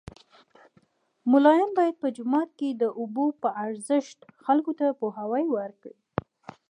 ملان باید په جوماتو کې د اوبو په ارزښت خلکو ته پوهاوی ورکړي